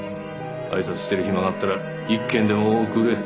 挨拶してる暇があったら一件でも多く売れ。